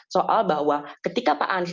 soal bahwa ketika pak anies